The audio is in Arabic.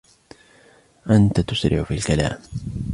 أنت تسرع في الكلام.